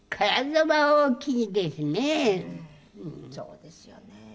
そうですよね。